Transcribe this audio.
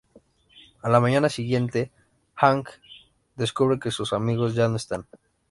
A la mañana siguiente, Aang descubre que sus amigos ya no están.